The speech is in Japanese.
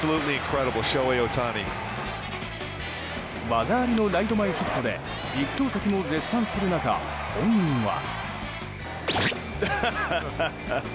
技ありのライト前ヒットで実況席も絶賛する中本人は。